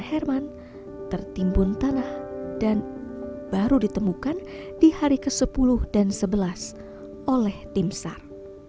herman tertimbun tanah dan baru ditemukan di hari ke sepuluh dan sebelas oleh tim sar